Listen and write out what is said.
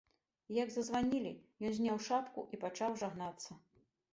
Як зазванілі, ён зняў шапку і пачаў жагнацца.